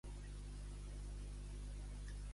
Escapar de golondro.